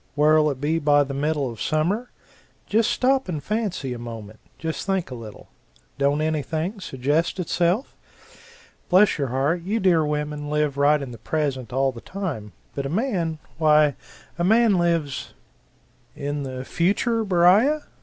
Where'll it be by the middle of summer? Just stop and fancy a moment just think a little don't anything suggest itself? Bless your heart, you dear women live right in the present all the time but a man, why a man lives "In the future, Beriah?